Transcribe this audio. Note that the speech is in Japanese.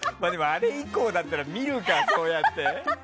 あれ以降だったら見るかそうやって。